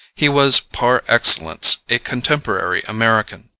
He was par excellence a contemporary American.